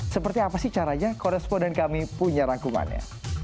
seperti apa sih caranya koresponden kami punya rangkumannya